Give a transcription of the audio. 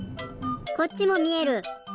こっちもみえる！